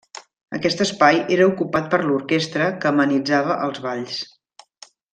Aquest espai era ocupat per l'orquestra que amenitzava els balls.